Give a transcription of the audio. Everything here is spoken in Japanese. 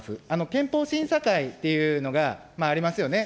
憲法審査会というのがありますよね。